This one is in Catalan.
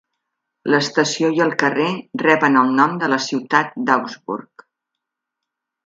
L'estació i el carrer reben el nom de la ciutat d'Augsburg.